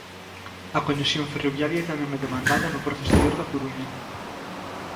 A conexión ferroviaria tamén é demandada no porto exterior da Coruña.